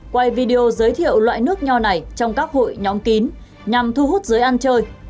quay video giới thiệu loại nước nho này trong các hội nhóm kín nhằm thu hút giới ăn chơi